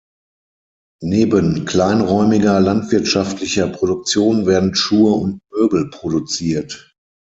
Neben kleinräumiger landwirtschaftlicher Produktion werden Schuhe und Möbel produziert.